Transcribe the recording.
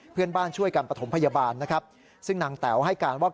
เพื่อนบ้านช่วยกันปฐมพยาบาลซึ่งนางแต๋วให้การว่า